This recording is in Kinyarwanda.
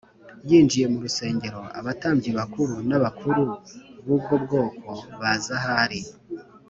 Yinjiye mu rusengero abatambyi bakuru n’abakuru b’ubwo bwoko baza aho ari